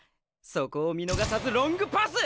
そこを見逃さずロングパス！